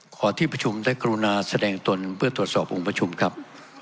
ขอที่ประชุมได้กรุณาแสดงตนเพื่อตรวจสอบองค์ประชุมครับ